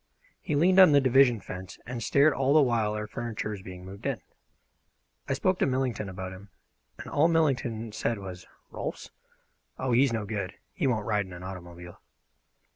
He leaned on the division fence and stared all the while our furniture was being moved in. I spoke to Millington about him, and all Millington said was: "Rolfs? Oh, he's no good! He won't ride in an automobile."